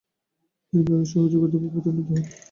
তিনি বিভাগের সহযোগী অধ্যাপক পদে উন্নীত হন।